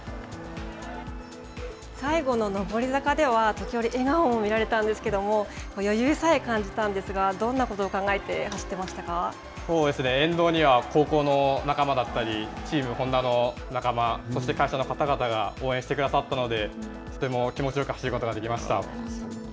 最後の上り坂では、時折、笑顔も見られたんですけれども、余裕さえ感じたんですが、どんなこと沿道には高校の仲間だったり、チームホンダの仲間、そして会社の方々が応援してくださったので、とても気持ちよく走ることができました。